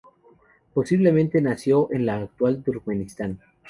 Posiblemente nació en la actual Turkmenistán.